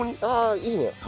ああいいね！